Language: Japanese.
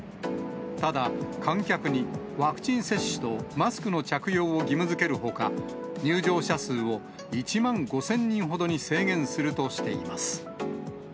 ただ、観客にワクチン接種とマスクの着用を義務づけるほか、入場者数を１万５０００人ほどに制限するとしています。